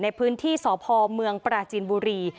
ในพื้นที่สพเมืองปราจีนบุรี